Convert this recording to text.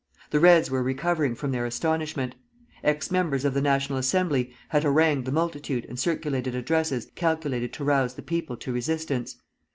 The Reds were recovering from their astonishment. Ex members of the National Assembly had harangued the multitude and circulated addresses calculated to rouse the people to resistance.